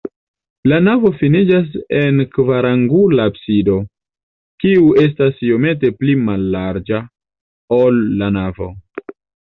La navo finiĝas en kvarangula absido, kiu estas iomete pli mallarĝa, ol la navo.